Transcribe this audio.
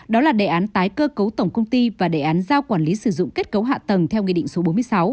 đó là đề án tái cơ cấu tổng công ty và đề án giao quản lý sử dụng kết cấu hạ tầng theo nghị định số bốn mươi sáu